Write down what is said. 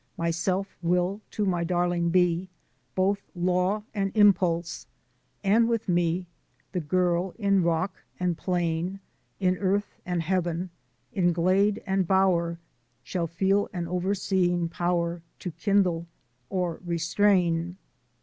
"Myself will to my darling be, Both law and impulse; And with me The girl, in rock and plain, In earth and heaven, in glade and bower, Shall feel an overseeing power, To kindle or restrain.